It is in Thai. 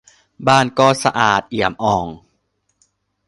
บ้านก็สะอาดเอี่ยมอ่อง